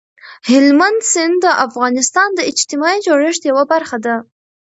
هلمند سیند د افغانستان د اجتماعي جوړښت یوه برخه ده.